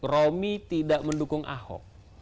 romi tidak mendukung ahok